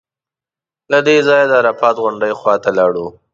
له دې ځایه د عرفات غونډۍ خوا ته لاړو.